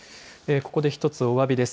ここで一つおわびです。